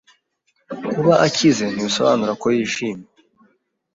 Kuba akize, ntibisobanura ko yishimye.